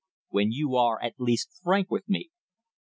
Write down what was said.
"When you are, at least, frank with me!"